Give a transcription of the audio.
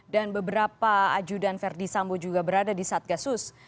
dan beberapa ajudan verdi sambo juga berada di saat kasus